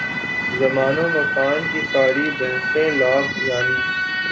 زمان و مکان کی ساری بحثیں لا یعنی۔